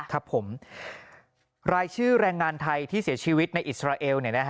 ครับผมรายชื่อแรงงานไทยที่เสียชีวิตในอิสราเอล